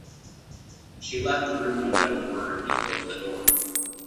She left the room without a word and closed the door.